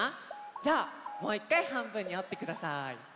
じゃあもういっかいはんぶんにおってください。